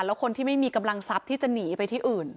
แล้วคนที่ไม่มีกำลังทรัพย์ที่จะหนีไปที่อื่น